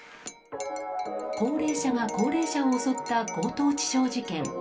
高齢者が高齢者を襲った強盗致傷事件。